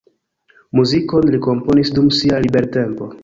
Muzikon li komponis dum sia libertempo.